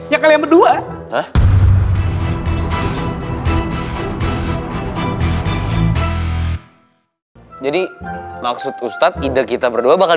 ya kalian berdua